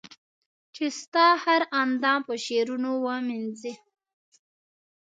چي ستا هر اندام په شعرونو و مېنځنې